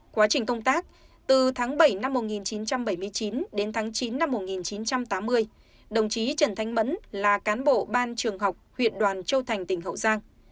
quá trình công tác từ tháng bảy năm một nghìn chín trăm bảy mươi chín đến tháng chín năm một nghìn chín trăm tám mươi đồng chí trần thanh mẫn là cán bộ ban trường học huyện đoàn châu thành tỉnh hậu giang